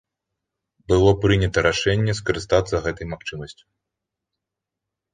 Было прынята рашэнне скарыстацца гэтай магчымасцю.